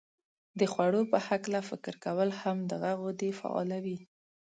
د خوړو په هلکه فکر کول هم دغه غدې فعالوي.